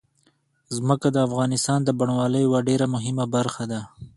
ځمکه د افغانستان د بڼوالۍ یوه ډېره مهمه برخه ده.